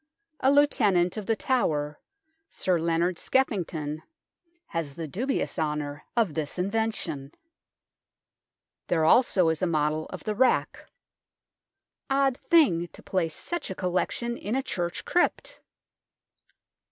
A Lieutenant of The Tower, Sir Leonard Skeffington, has the dubious honour of this invention. There also is a model of the rack. Odd thing to place such a collection hi a church crypt